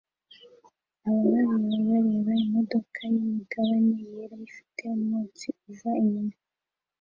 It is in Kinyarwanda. Ababareba bareba imodoka yimigabane yera ifite umwotsi uva inyuma